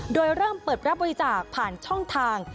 โดยเริ่มเปิดรับบริจาคผ่านช่องทาง